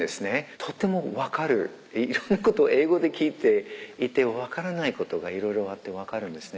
とても分かるいろんなことを英語で聞いていて分からないことがいろいろあって分かるんですね。